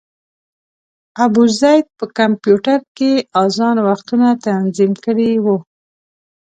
ابوزید په کمپیوټر کې اذان وختونه تنظیم کړي وو.